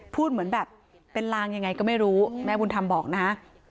พูดเหมือนแบบเป็นลางยังไงก็ไม่รู้แม่บุญธรรมบอกนะ